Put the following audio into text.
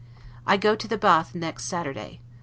I go to the Bath next Saturday.